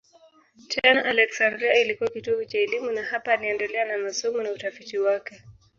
Tena Aleksandria ilikuwa kitovu cha elimu na hapa aliendelea na masomo na utafiti wake.